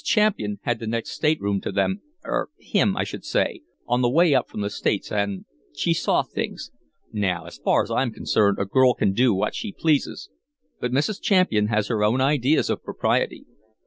Champian had the next state room to them er him I should say on the way up from the States, and she saw things. Now, as far as I'm concerned, a girl can do what she pleases, but Mrs. Champian has her own ideas of propriety.